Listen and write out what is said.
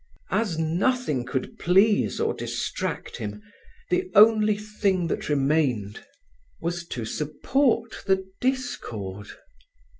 As nothing could please or distract him, the only thing that remained was to support the discord.